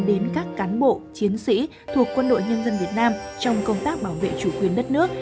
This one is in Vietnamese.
đến các cán bộ chiến sĩ thuộc quân đội nhân dân việt nam trong công tác bảo vệ chủ quyền đất nước